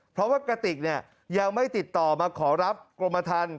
เพราะว่ากะติกยังไม่ติดต่อมาขอรับกรมธรรม